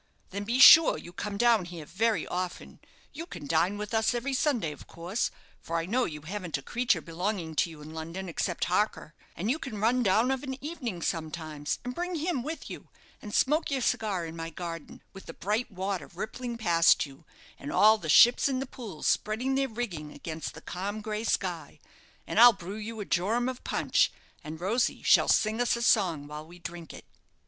"Then be sure you come down here very often. You can dine with us every Sunday, of course, for I know you haven't a creature belonging to you in London except Harker; and you can run down of an evening sometimes, and bring him with you, and smoke your cigar in my garden, with the bright water rippling past you, and all the ships in the Pool spreading their rigging against the calm grey sky; and I'll brew you a jorum of punch, and Rosy shall sing us a song while we drink it."